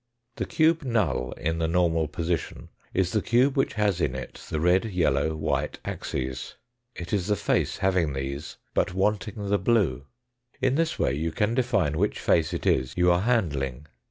The cube null in the normal position is the cube which has in it the red, yellow, white axes. It is the face having these, but wanting the blue. In this way you can define which face it is you are handling.